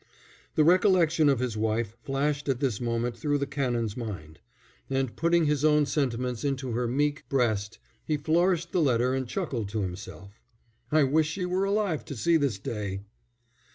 The recollection of his wife flashed at this moment through the Canon's mind, and putting his own sentiments into her meek breast, he flourished the letter and chuckled to himself. "I wish she were alive to see this day."